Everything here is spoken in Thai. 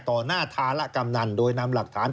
ต่อหน้าธาระกำนันโดยนำหลักฐาน